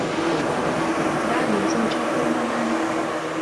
Đã Đến giờ cho kuman ăn